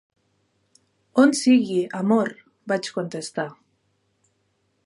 "On sigui, amor", vaig contestar.